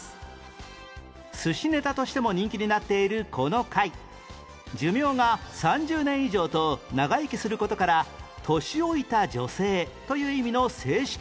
寿司ネタとしても人気になっているこの貝寿命が３０年以上と長生きする事から「年老いた女性」という意味の正式名があります